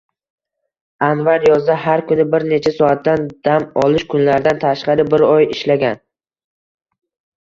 Anvar yozda har kuni bir necha soatdan dam olish kunlaridan tashqari bir oy ishlagan